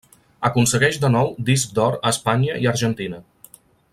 Aconsegueix de nou Disc d'Or a Espanya i Argentina.